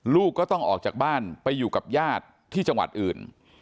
ลูกก็ต้องออกจากบ้านไปอยู่กับญาติที่จังหวัดอื่น